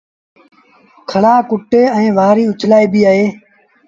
کڙآ ڪُٽي ائيٚݩ وآريٚ اُڇلآئيٚبيٚ اهي